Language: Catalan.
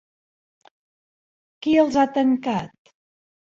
Qui els ha tancat?